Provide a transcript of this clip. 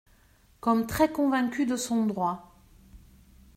Comme très convaincu de son droit.